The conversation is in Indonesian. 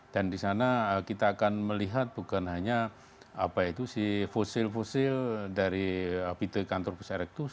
dan di sana kita akan melihat bukan hanya si fosil fosil dari pitekan turpus erectus